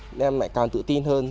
nên em lại càng tự tin hơn